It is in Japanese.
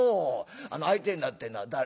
あの相手になってんのは誰？